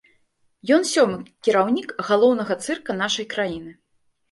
Ён сёмы кіраўнік галоўнага цырка нашай краіны.